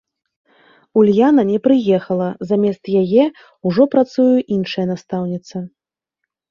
Ульяна не прыехала, замест яе ўжо працуе іншая настаўніца.